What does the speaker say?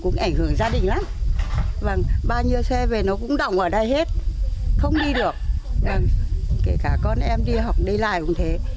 nhiều xe về nó cũng đọng ở đây hết không đi được kể cả con em đi học đi lại cũng thế